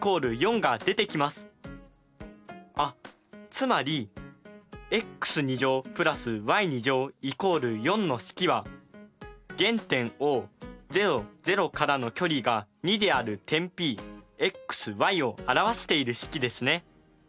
あっつまりｘ＋ｙ＝４の式は原点Ｏからの距離が２である点Ｐを表している式ですね。